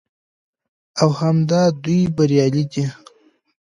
او همدا دوى بريالي دي